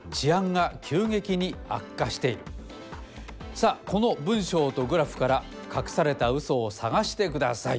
さあこの文章とグラフからかくされたウソを探してください。